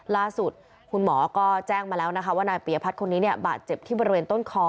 ล่าสุดคุณหมอก็แจ้งมาแล้วนะคะว่านายปียพัฒน์คนนี้บาดเจ็บที่บริเวณต้นคอ